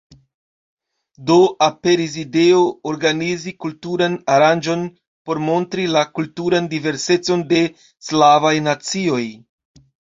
Do aperis ideo organizi kulturan aranĝon por montri la kulturan diversecon de slavaj nacioj.